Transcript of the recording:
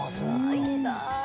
行きたい。